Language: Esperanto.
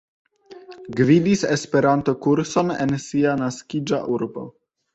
Gvidis E-kurson en sia naskiĝa urbo.